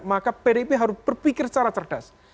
maka pdip harus berpikir secara cerdas